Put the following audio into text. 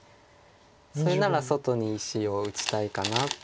それなら外に石を打ちたいかなっていう。